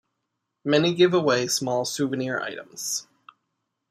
Many give away small souvenir items.